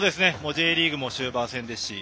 Ｊリーグも終盤戦ですし。